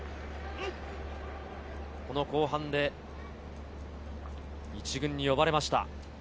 後半で１軍に呼ばれました。